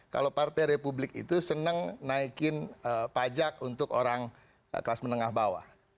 kalau partai republik itu senang naikin pajak untuk orang kelas menengah bawah